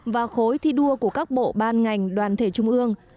và khối thi đua của các bộ ban ngành đoàn thể trung ương